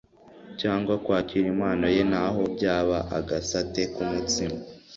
cyangwa kwakira impano ye naho byaba agasate k’umutsima